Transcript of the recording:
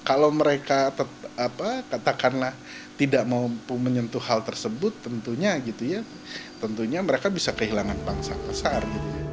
kalau mereka katakanlah tidak mampu menyentuh hal tersebut tentunya mereka bisa kehilangan bangsa besar